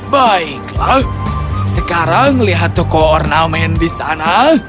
baiklah sekarang melihat toko ornamen di sana